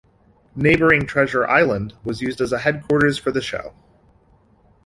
Neighboring Treasure Island was used as the headquarters for the show.